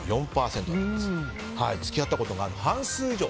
付き合ったことがある、半数以上。